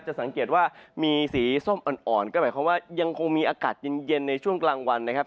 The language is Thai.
สังเกตว่ามีสีส้มอ่อนก็หมายความว่ายังคงมีอากาศเย็นในช่วงกลางวันนะครับ